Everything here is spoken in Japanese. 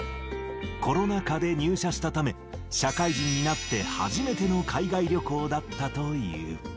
コロナ禍で入社したため、社会人になって初めての海外旅行だったという。